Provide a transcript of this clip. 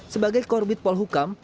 sebagai korbit polhukam